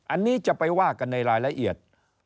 อันนี้จะไปว่ากันในรายละเอียด